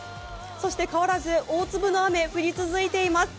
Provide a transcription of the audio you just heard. そして変わらず大粒の雨、降り続いています。